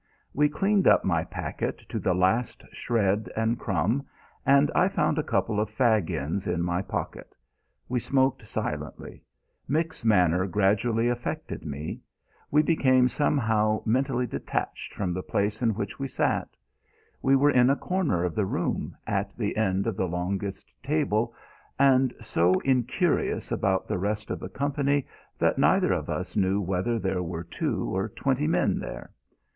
We cleaned up my packet to the last shred and crumb, and I found a couple of fag ends in my pocket. We smoked silently. Mick's manner gradually affected me. We became somehow mentally detached from the place in which we sat. We were in a corner of the room, at the end of the longest table, and so incurious about the rest of the company that neither of us knew whether there were two or twenty men there.